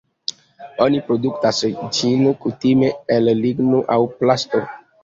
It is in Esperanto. Oni produktas ĝin kutime el ligno aŭ plasto.